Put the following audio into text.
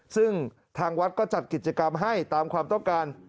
ซึ่งทางวัดก็จัดกิจกรรมให้ตามความต้องการ